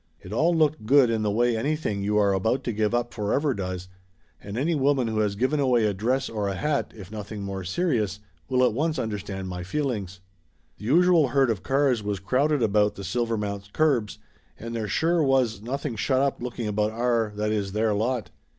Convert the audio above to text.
It all looked good in the way anything you are about to give up for ever, does, and any woman who has given away a dress or a hat, if nothing more serious, will at once under stand my feelings. The usual herd of cars was crowded about the Sil vermount curbs, and there sure was nothing shut up looking about our that is, their, lot